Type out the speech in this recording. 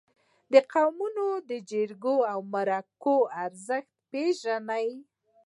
• دا قوم د جرګو او مرکو ارزښت پېژني.